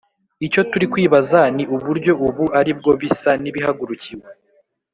icyo turi kwibaza ni uburyo ubu ari bwo bisa n'ibihagurukiwe